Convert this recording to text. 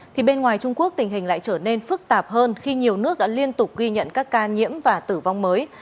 thì bên ngoài trung quốc tình hình lại trở nên phức tạp hơn khi nhiều nước đã liên tục ghi nhận các ca nhiễm và tử vong mới